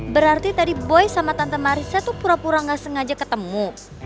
berarti tadi boy sama tante marisa tuh pura pura gak sengaja ketemu